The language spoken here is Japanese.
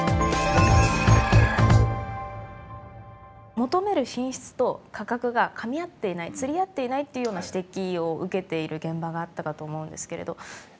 求める品質と価格がかみ合っていない釣り合っていないというような指摘を受けている現場があったかと思うんですけれど。